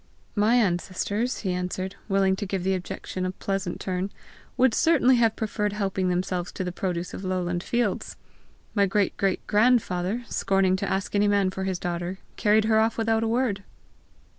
"My ancestors," he answered, willing to give the objection a pleasant turn, "would certainly have preferred helping themselves to the produce of lowland fields! My great great grandfather, scorning to ask any man for his daughter, carried her off without a word!"